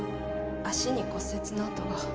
足に骨折の痕が。